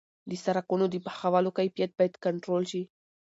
د سرکونو د پخولو کیفیت باید کنټرول شي.